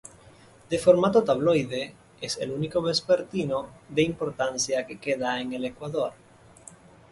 De formato tabloide, es el único vespertino de importancia que queda en el Ecuador.